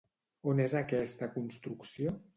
On és aquesta construcció?